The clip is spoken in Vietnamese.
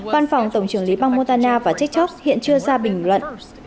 văn phòng tổng trưởng lý bang montana và tiktok hiện chưa ra bình luận